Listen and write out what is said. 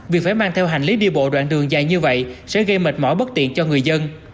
việc phải mang theo hành lý đi bộ đoạn đường dài như vậy sẽ gây mệt mỏi bất tiện cho người dân